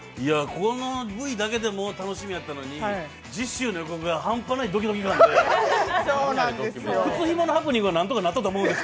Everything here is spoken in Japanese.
このＶだけでも楽しみやったのに次週の予告が半端ないドキドキ感で。